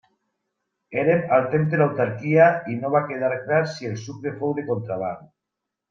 Érem al temps de l'autarquia i no va quedar clar si el sucre fou de contraban.